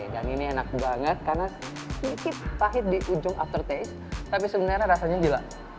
dan ini enak banget karena sedikit pahit di ujung aftertaste tapi sebenarnya rasanya gila